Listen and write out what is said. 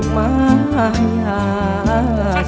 ก็ไม่ทอด